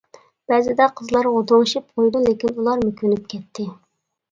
بەزىدە قىزلار غودۇڭشىپ قويىدۇ، لېكىن ئۇلارمۇ كۆنۈپ كەتتى.